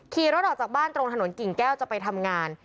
ขี่รถออกจากบ้านตรงถนนกิ่งแก้วจะไปทำงาน